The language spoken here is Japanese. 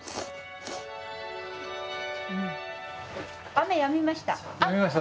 雨やみました。